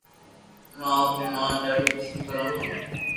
امو آپري مان ني ڌاڌي پسند ڪرو ھون